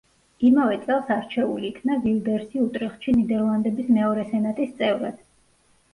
იმავე წელს არჩეული იქნა ვილდერსი უტრეხტში ნიდერლანდების მეორე სენატის წევრად.